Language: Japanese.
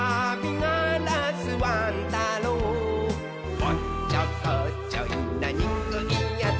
「おっちょこちょいなにくいやつ」